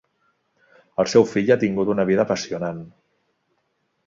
El seu fill ha tingut una vida apassionant.